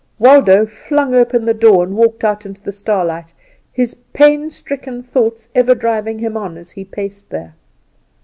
Waldo flung open the door, and walked out into the starlight, his pain stricken thoughts ever driving him on as he paced there.